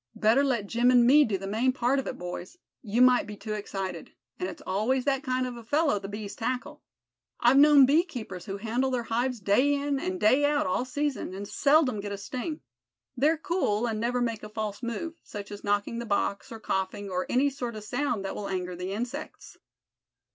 Better let Jim and me do the main part of it, boys. You might be too excited; and it's always that kind of a fellow the bees tackle. I've known bee keepers who handle their hives day in and day out all season, and seldom get a sting. They're cool, and never make a false move, such as knocking the box, or coughing, or any sort of sound that will anger the insects."